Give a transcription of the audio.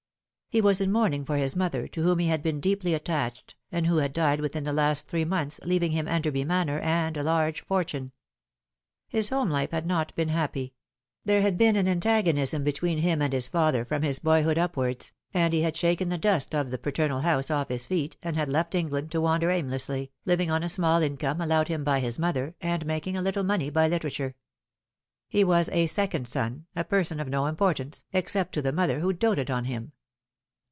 He was in mourning for his mother, to whom he had been deeply attached, and who had died within the last three months, leaving him Enderby Manor and a large fortune. His home life had not been happy. There had been an antagonism between him and his father from his boyhood upwards, and he had shaken the dust of the paternal house off his feet, and had left England to wander aimlessly, living on a small income allowed him by his mother, and making a little money by litera ture. He was a second son, a person of no importance, except to the mother, who doted upon him.